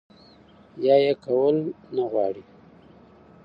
يا ئې کول نۀ غواړي